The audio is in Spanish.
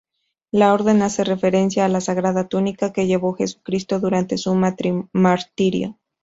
La Orden hace referencia a la Sagrada Túnica que llevó Jesucristo durante su martirio.